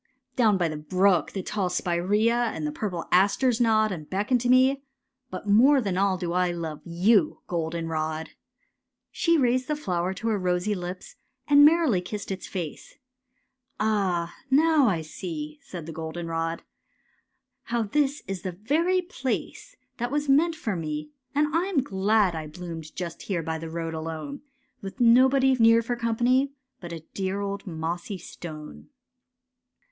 Down by the brook the tall spirea And the purple asters nod, And beckon to me— but more than all Do I love you, goldenrod! " She raised the flower to her rosy lips. And merrily kissed its face, *^ Ah! now I see," said the goldenrod, '* How this is the very place 224 GOLDENROD AND ASTER '' That was meant for me; and I'm glad I bloomed Just here by the road alone, With nobody near for company But a dear old mossy stone!